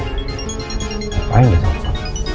ngapain dia sama sama